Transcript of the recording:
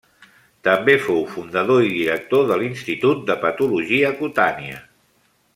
També fou fundador i director de l’Institut de Patologia Cutània.